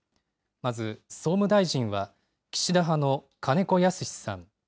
まず総務大臣は岸田派の金子恭之さん。